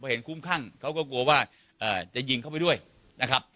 เห็นคุ้มครั่งเขาก็กลัวว่าจะยิงเข้าไปด้วยนะครับ